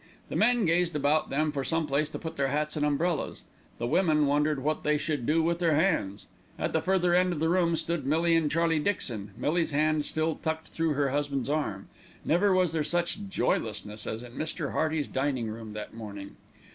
The men gazed about them for some place to put their hats and umbrellas, the women wondered what they should do with their hands. At the further end of the room stood Millie and Charlie Dixon, Millie's hand still tucked through her husband's arm. Never was there such joylessness as in Mr. Hearty's dining room that morning.